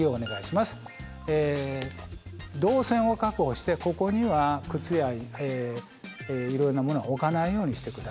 動線を確保してここには靴やいろいろなものは置かないようにして下さい。